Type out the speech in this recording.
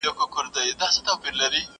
لاس مو تل د خپل ګرېوان په وینو سور دی،